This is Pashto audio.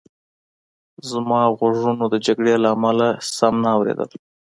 زما غوږونو د جګړې له امله سم نه اورېدل